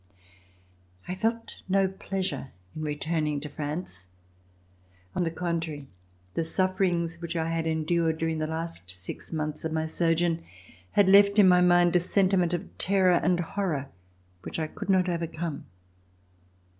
I felt no pleasure in returning to France. On the contrary, the sufferings which I had endured during the last six months of my sojourn had left in my mind a sentiment of terror and horror which I could not overcome.